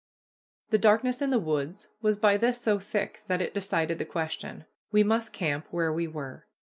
The darkness in the woods was by this so thick that it decided the question. We must camp where we were.